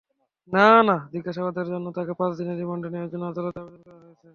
জিজ্ঞাসাবাদের জন্য তাঁকে পাঁচ দিনের রিমান্ডে নেওয়ার জন্য আদালতে আবেদন করা হয়েছে।